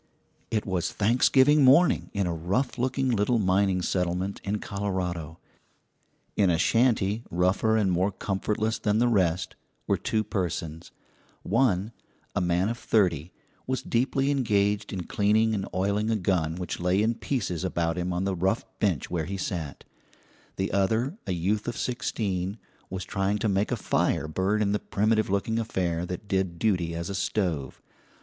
It was Thanksgiving morning in a rough looking little mining settlement in Colorado. In a shanty rougher and more comfortless than the rest were two persons: one, a man of thirty, was deeply engaged in cleaning and oiling a gun which lay in pieces about him on the rough bench where he sat; the other, a youth of sixteen, was trying to make a fire burn in the primitive looking affair that did duty as a stove.